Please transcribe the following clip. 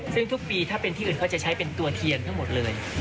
ซึ่งทุกปีถ้าเป็นที่อื่นเขาจะใช้เป็นตัวเทียนทั้งหมดเลย